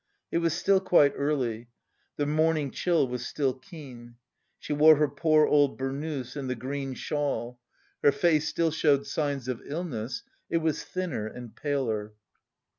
It was still quite early; the morning chill was still keen. She wore her poor old burnous and the green shawl; her face still showed signs of illness, it was thinner and paler.